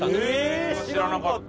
え知らなかった。